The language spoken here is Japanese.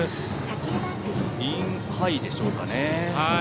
インハイでしょうか。